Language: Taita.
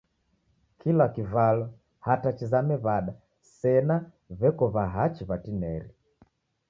Kila kivalwa hata chizame w'ada sena w'eko w'ahachi w'atinieri.